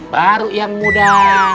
baru yang muda